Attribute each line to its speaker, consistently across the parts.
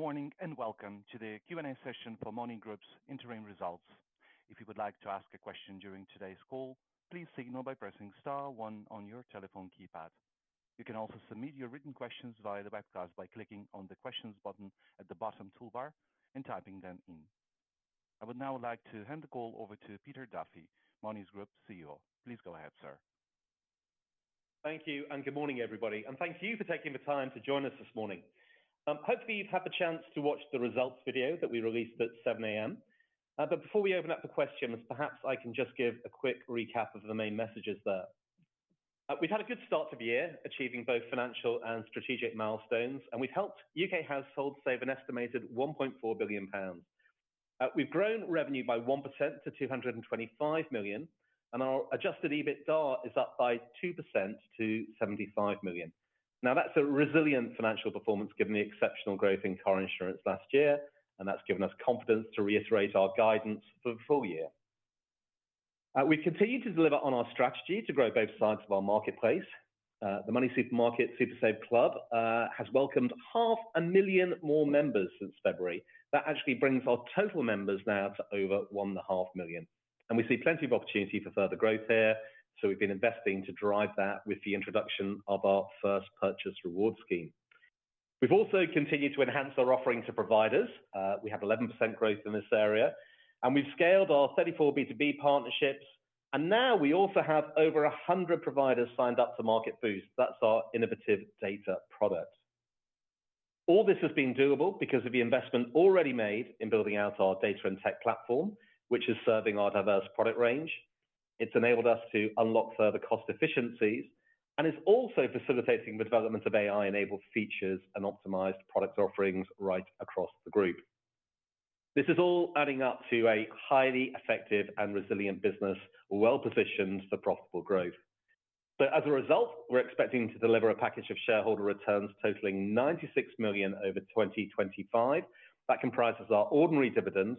Speaker 1: Good morning and welcome to the Q&A session for MONY Group's interim results. If you would like to ask a question during today's call, please signal by pressing star one on your telephone keypad. You can also submit your written questions via the webcast by clicking on the questions button at the bottom toolbar and typing them in. I would now like to hand the call over to Peter Duffy, MONY Group's CEO. Please go ahead, sir.
Speaker 2: Thank you and good morning, everybody, and thank you for taking the time to join us this morning. Hopefully, you've had the chance to watch the results video that we released at 7:00 A.M. Before we open up for questions, perhaps I can just give a quick recap of the main messages there. We've had a good start to the year, achieving both financial and strategic milestones, and we've helped U.K. households save an estimated 1.4 billion pounds. We've grown revenue by 1% to 225 million, and our adjusted EBITDA is up by 2% to 75 million. That's a resilient financial performance given the exceptional growth in car insurance last year, and that's given us confidence to reiterate our guidance for the full year. We continue to deliver on our strategy to grow both sides of our marketplace. The MoneySuperMarket SuperSave Club has welcomed half a million more members since February. That actually brings our total members now to over 1.5 million. We see plenty of opportunity for further growth here, so we've been investing to drive that with the introduction of our first purchase rewards scheme. We've also continued to enhance our offering to providers. We had 11% growth in this area, and we've scaled our 34 B2B partnerships, and now we also have over 100 providers signed up to Market Boost. That's our innovative data product. All this has been doable because of the investment already made in building out our data and tech platform, which is serving our diverse product range. It's enabled us to unlock further cost efficiencies and is also facilitating the development of AI-enabled features and optimized product offerings right across the group. This is all adding up to a highly effective and resilient business, well positioned for profitable growth. As a result, we're expecting to deliver a package of shareholder returns totaling 96 million over 2025. That comprises our ordinary dividends,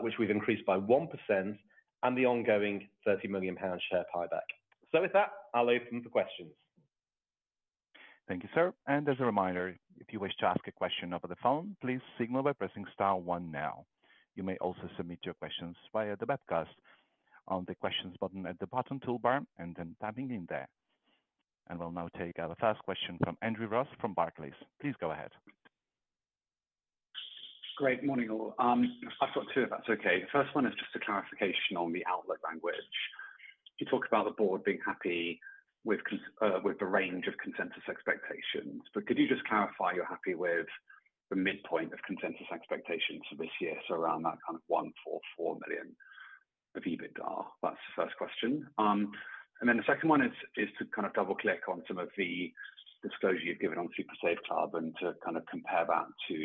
Speaker 2: which we've increased by 1%, and the ongoing 30 million pound share buyback. With that, I'll open for questions.
Speaker 1: Thank you, sir. As a reminder, if you wish to ask a question over the phone, please signal by pressing star one now. You may also submit your questions via the webcast on the questions button at the bottom toolbar and then typing in there. We'll now take our first question from Andrew Ross from Barclays. Please go ahead.
Speaker 3: Great morning all. I've got two if that's OK. The first one is just a clarification on the outlook language. You talk about the board being happy with the range of consensus expectations, but could you just clarify you're happy with the midpoint of consensus expectations for this year, so around that kind of 144 million of adjusted EBITDA? That's the first question. The second one is to double-click on some of the disclosure you've given on SuperSave Club and to compare that to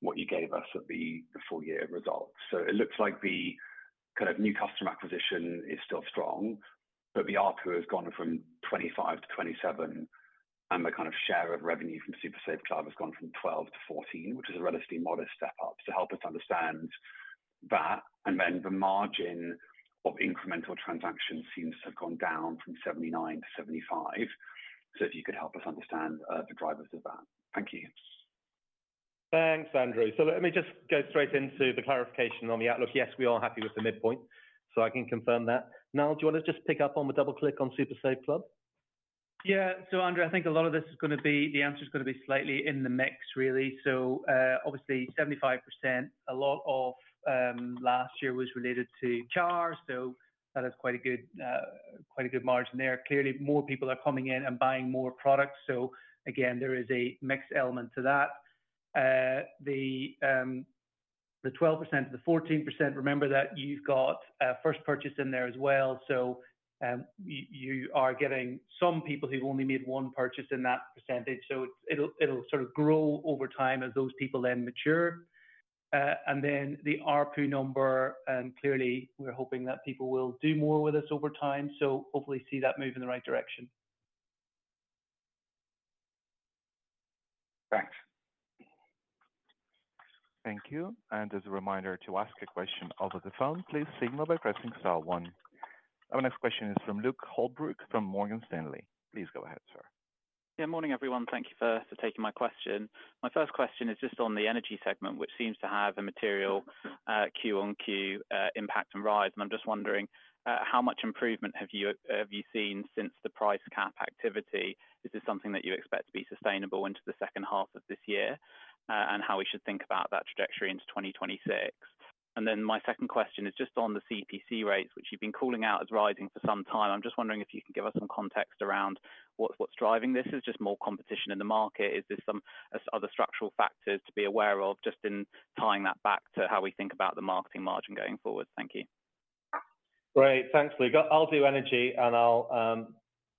Speaker 3: what you gave us at the full year of results. It looks like the new customer acquisition is still strong, but the ARPU has gone from GBP 25-BP 27, and the share of revenue from SuperSave Club has gone from 12%-14%, which is a relatively modest step up. Help us understand that. The margin of incremental transactions seems to have gone down from 79%-75%. If you could help us understand the drivers of that. Thank you.
Speaker 2: Thanks, Andrew. Let me just go straight into the clarification on the outlook. Yes, we are happy with the midpoint, so I can confirm that. Niall, do you want to just pick up on the double-click on SuperSave Club?
Speaker 4: Yeah, Andrew, I think a lot of this is going to be, the answer is going to be slightly in the mix, really. Obviously, 75% of last year was related to charge, so that is quite a good margin there. Clearly, more people are coming in and buying more products. There is a mixed element to that. The 12% and the 14%, remember that you've got first purchase in there as well. You are getting some people who've only made one purchase in that percentage. It'll sort of grow over time as those people then mature. The ARPU number, and clearly we're hoping that people will do more with us over time. Hopefully see that move in the right direction.
Speaker 3: Thanks.
Speaker 1: Thank you. As a reminder, to ask a question over the phone, please signal by pressing star one. Our next question is from Luke Holbrook from Morgan Stanley. Please go ahead, sir.
Speaker 5: Good morning, everyone. Thank you for taking my question. My first question is just on the energy segment, which seems to have a material QoQ impact and rise. I'm just wondering, how much improvement have you seen since the price cap activity? Is this something that you expect to be sustainable into the second half of this year, and how we should think about that trajectory into 2026? My second question is just on the PPC rates, which you've been calling out as rising for some time. I'm just wondering if you can give us some context around what's driving this. Is it just more competition in the market? Is there some other structural factors to be aware of, just in tying that back to how we think about the marketing margin going forward? Thank you.
Speaker 2: Great, thanks, Luke. I'll do energy and I'll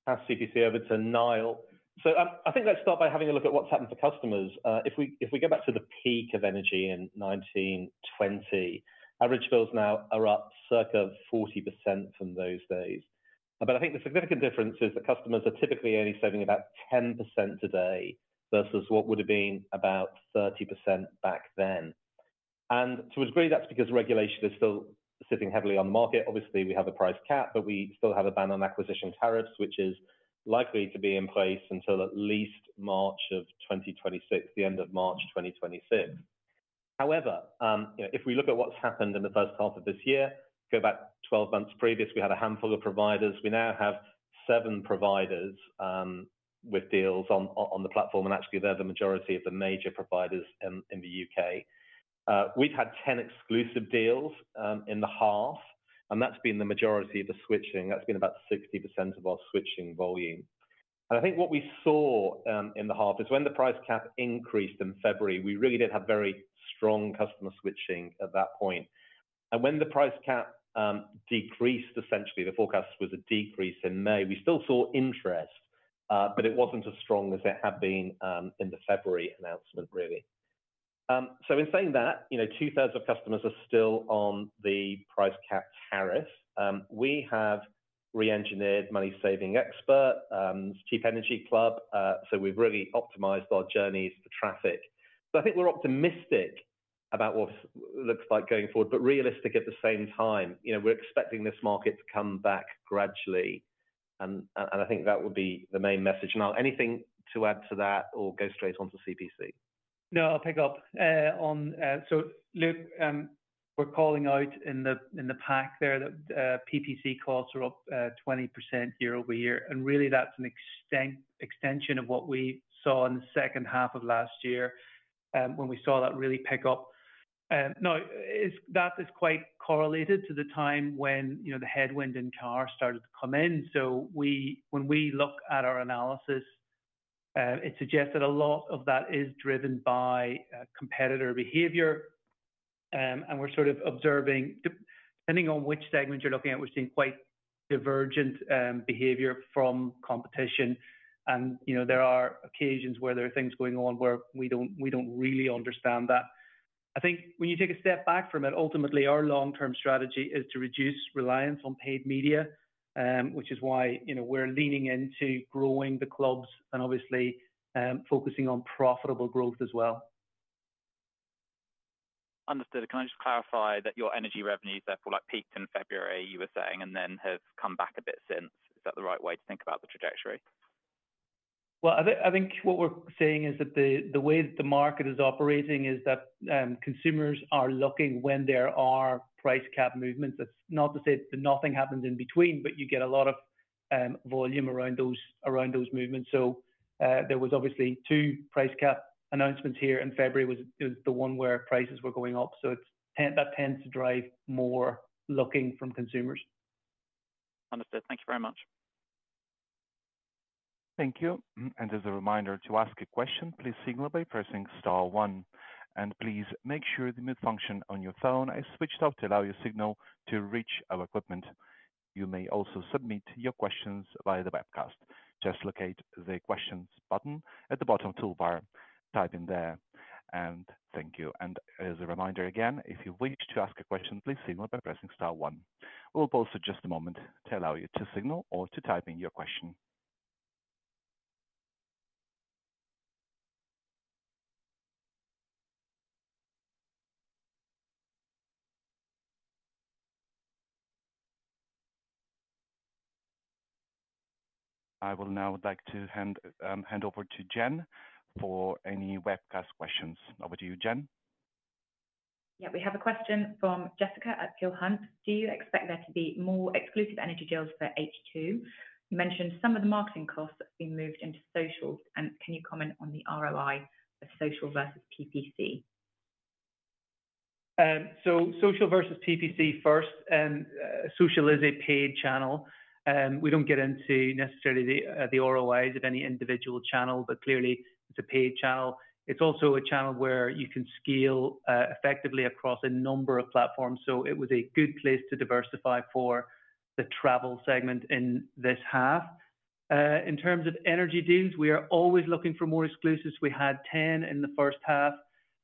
Speaker 2: pass CPC over to Niall. I think let's start by having a look at what's happened for customers. If we go back to the peak of energy in 2019, 2020, average bills now are up circa 40% from those days. I think the significant difference is that customers are typically only saving about 10% today versus what would have been about 30% back then. To a degree, that's because regulation is still sitting heavily on the market. Obviously, we have a price cap, but we still have a ban on acquisition tariffs, which is likely to be in place until at least March of 2026, the end of March 2026. However, if we look at what's happened in the first half of this year, go back 12 months previous, we had a handful of providers. We now have seven providers with deals on the platform, and actually they're the majority of the major providers in the U.K. We've had 10 exclusive deals in the half, and that's been the majority of the switching. That's been about 60% of our switching volume. I think what we saw in the half is when the price cap increased in February, we really did have very strong customer switching at that point. When the price cap decreased, essentially the forecast was a decrease in May. We still saw interest, but it wasn't as strong as it had been in the February announcement, really. In saying that, two-thirds of customers are still on the price cap tariff. We have re-engineered MoneySavingExpert's Cheap Energy Club, so we've really optimized our journeys for traffic. I think we're optimistic about what it looks like going forward, but realistic at the same time. We're expecting this market to come back gradually, and I think that would be the main message. Now, anything to add to that or go straight on to CPC?
Speaker 4: No, I'll pick up on, so Luke, we're calling out in the pack there that PPC costs are up 20% year-over-year, and really that's an extension of what we saw in the second half of last year when we saw that really pick up. That is quite correlated to the time when the headwind in cars started to come in. When we look at our analysis, it suggests that a lot of that is driven by competitor behavior, and we're sort of observing, depending on which segment you're looking at, we're seeing quite divergent behavior from competition. There are occasions where there are things going on where we don't really understand that. I think when you take a step back from it, ultimately our long-term strategy is to reduce reliance on paid media, which is why we're leaning into growing the clubs and obviously focusing on profitable growth as well.
Speaker 5: Understood. Can I just clarify that your energy revenues therefore peaked in February, you were saying, and then have come back a bit since? Is that the right way to think about the trajectory?
Speaker 4: I think what we're saying is that the way that the market is operating is that consumers are looking when there are price cap movements. It's not to say that nothing happens in between, but you get a lot of volume around those movements. There were obviously two price cap announcements here in February. It was the one where prices were going up. That tends to drive more looking from consumers.
Speaker 5: Understood. Thank you very much.
Speaker 4: Thank you.
Speaker 1: As a reminder to ask a question, please signal by pressing star one. Please make sure the mute function on your phone is switched off to allow your signal to reach our equipment. You may also submit your questions via the webcast. Just locate the questions button at the bottom toolbar, type in there, and thank you. As a reminder again, if you wish to ask a question, please signal by pressing star one. We'll pause for just a moment to allow you to signal or to type in your question. I will now like to hand over to Jen for any webcast questions. Over to you, Jen.
Speaker 6: Yeah, we have a question from Jessica at Pure Hunt. Do you expect there to be more exclusive energy deals for H2? You mentioned some of the marketing costs being moved into social, and can you comment on the ROI for social versus PPC?
Speaker 4: Social versus PPC first, social is a paid channel. We don't get into necessarily the ROIs of any individual channel, but clearly it's a paid channel. It's also a channel where you can scale effectively across a number of platforms. It was a good place to diversify for the travel segment in this half. In terms of energy deals, we are always looking for more exclusives. We had 10 in the first half,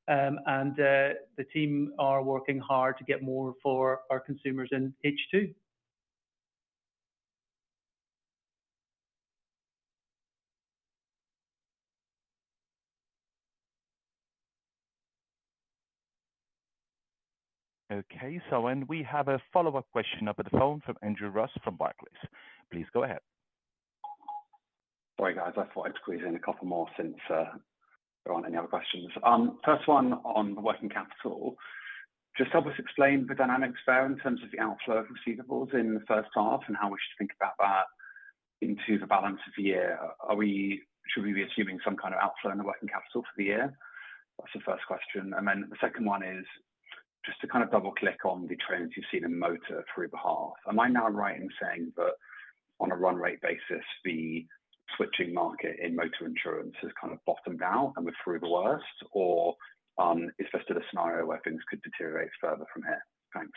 Speaker 4: and the team is working hard to get more for our consumers in H2.
Speaker 1: Okay, we have a follow-up question over the phone from Andrew Ross from Barclays. Please go ahead.
Speaker 3: Sorry, guys, I thought I'd squeeze in a couple more since there aren't any other questions. First one on the working capital. Just help us explain the dynamics there in terms of the outflow of receivables in the first half and how we should think about that into the balance of the year. Should we be assuming some kind of outflow in the working capital for the year? That's the first question. The second one is just to kind of double-click on the trends you've seen in motor through the half. Am I now right in saying that on a run-rate basis, the switching market in motor insurance has kind of bottomed out and we're through the worst, or is this just a scenario where things could deteriorate further from here? Thanks.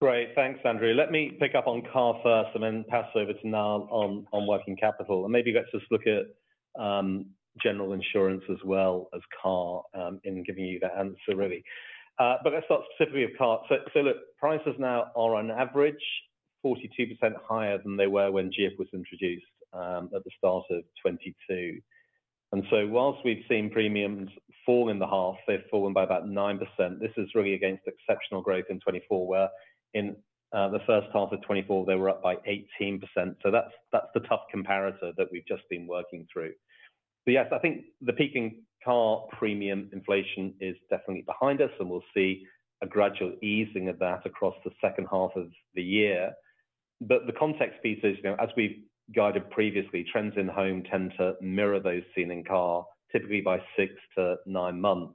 Speaker 2: Great, thanks, Andrew. Let me pick up on car first and then pass over to Niall on working capital. Maybe let's just look at general insurance as well as car in giving you that answer, really. Let's start specifically with car. Prices now are on average 42% higher than they were when GF was introduced at the start of 2022. Whilst we've seen premiums fall in the half, they've fallen by about 9%. This is really against exceptional growth in 2024, where in the first half of 2024, they were up by 18%. That's the tough comparator that we've just been working through. I think the peak in car premium inflation is definitely behind us, and we'll see a gradual easing of that across the second half of the year. The context, Peter, is as we guided previously, trends in home tend to mirror those seen in car typically by six to nine months.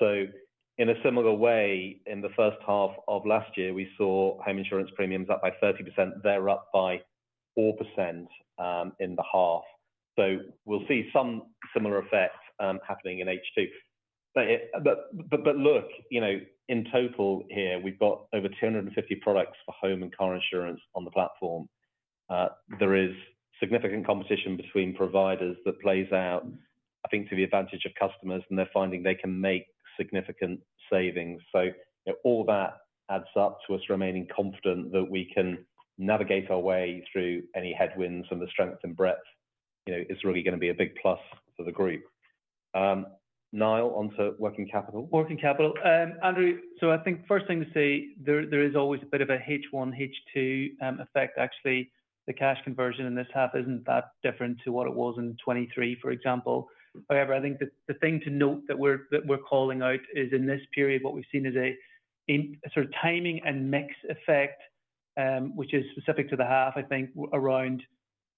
Speaker 2: In a similar way, in the first half of last year, we saw home insurance premiums up by 30%. They're up by 4% in the half. We'll see some similar effect happening in H2. In total here, we've got over 250 products for home and car insurance on the platform. There is significant competition between providers that plays out, I think, to the advantage of customers, and they're finding they can make significant savings. All that adds up to us remaining confident that we can navigate our way through any headwinds and the strength and breadth is really going to be a big plus for the group. Niall, onto working capital.
Speaker 4: Working capital. Andrew, I think first thing to say, there is always a bit of a H1, H2 effect. Actually, the cash conversion in this half isn't that different to what it was in 2023, for example. However, I think the thing to note that we're calling out is in this period, what we've seen is a sort of timing and mix effect, which is specific to the half, I think, around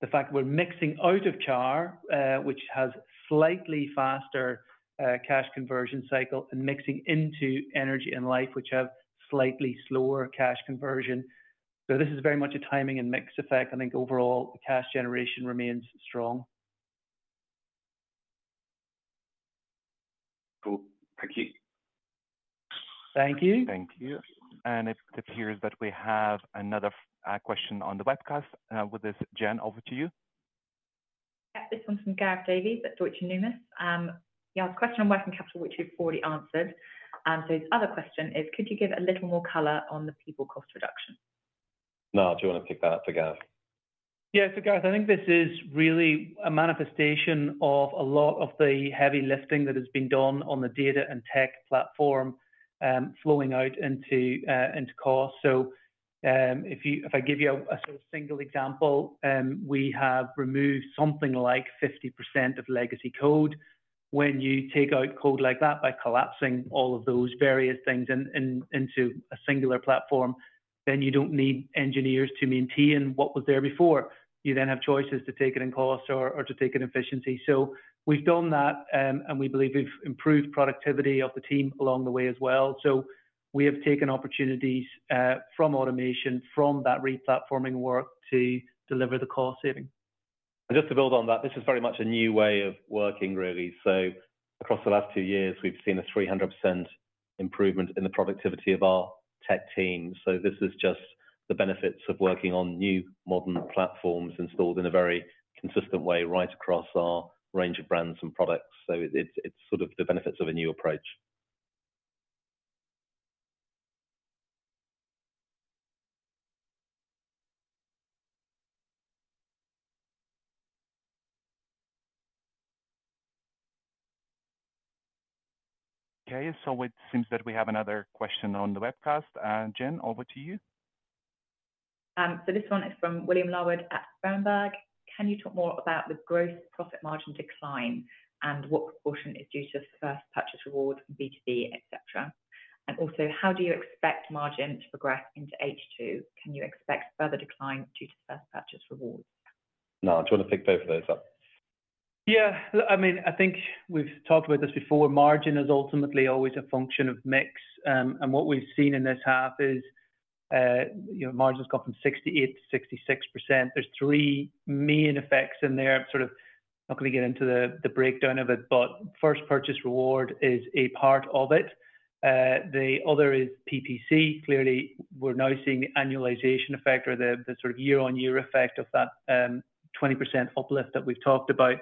Speaker 4: the fact that we're mixing out of char, which has a slightly faster cash conversion cycle, and mixing into energy and life, which have slightly slower cash conversion. This is very much a timing and mix effect. I think overall, cash generation remains strong.
Speaker 3: Cool. Thank you.
Speaker 4: Thank you.
Speaker 1: Thank you. It appears that we have another question on the webcast. With this, Jen, over to you.
Speaker 6: Yeah, this one's from Gareth Davies at Deutsche [Mömins]. He asked a question on working capital, which we've already answered. His other question is, could you give a little more color on the people cost reduction?
Speaker 2: Niall, do you want to pick that up for Gareth?
Speaker 4: Yeah, Gareth, I think this is really a manifestation of a lot of the heavy lifting that has been done on the data and tech platform flowing out into cars. If I give you a sort of single example, we have removed something like 50% of legacy code. When you take out code like that by collapsing all of those various things into a singular platform, you don't need engineers to maintain what was there before. You then have choices to take it in cost or to take it in efficiency. We've done that, and we believe we've improved productivity of the team along the way as well. We have taken opportunities from automation, from that re-platforming work to deliver the cost saving.
Speaker 2: To build on that, this is very much a new way of working, really. Across the last two years, we've seen a 300% improvement in the productivity of our tech teams. This is just the benefits of working on new modern platforms installed in a very consistent way right across our range of brands and products. It's sort of the benefits of a new approach.
Speaker 1: Okay, it seems that we have another question on the webcast. Jen, over to you.
Speaker 6: This one is from William Loward at Bamberg. Can you talk more about the gross profit margin decline and what proportion is due to first purchase rewards, B2B, etc.? Also, how do you expect margin to progress into H2? Can you expect further decline due to first purchase rewards?
Speaker 2: Niall, do you want to pick both of those up?
Speaker 4: Yeah, I mean, I think we've talked about this before. Margin is ultimately always a function of mix. What we've seen in this half is margin has gone from 68%-66%. There are three main effects in there. I'm not going to get into the breakdown of it, but first purchase rewards is a part of it. The other is PPC. Clearly, we're now seeing the annualization effect or the year-on-year effect of that 20% uplift that we've talked about.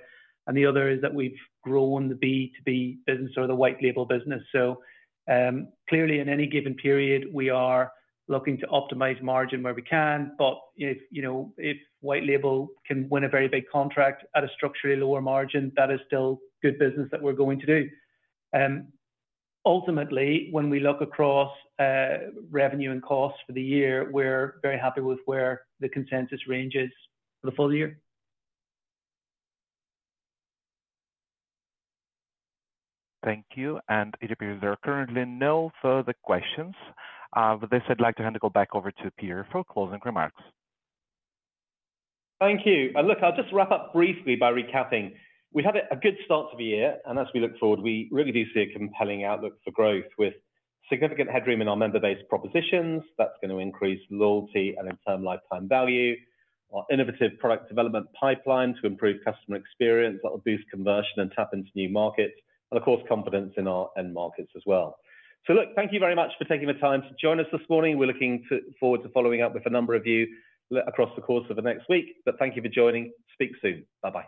Speaker 4: The other is that we've grown the B2B business or the white label business. In any given period, we are looking to optimize margin where we can. If white label can win a very big contract at a structurally lower margin, that is still good business that we're going to do. Ultimately, when we look across revenue and costs for the year, we're very happy with where the consensus range is for the full year.
Speaker 1: Thank you. It appears there are currently no further questions. With this, I'd like to hand the call back over to Peter for closing remarks.
Speaker 2: Thank you. I'll just wrap up briefly by recapping. We've had a good start to the year, and as we look forward, we really do see a compelling outlook for growth with significant headroom in our member-based propositions. That's going to increase loyalty and internal lifetime value. Our innovative product development pipeline to improve customer experience will boost conversion and tap into new markets. Of course, confidence in our end markets as well. Thank you very much for taking the time to join us this morning. We're looking forward to following up with a number of you across the course of the next week. Thank you for joining. Speak soon. Bye-bye.